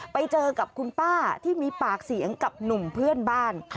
ไปเจอกับคุณป้าที่มีปากเสียงกับหนุ่มเพื่อนบ้าน